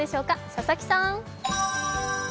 佐々木さん。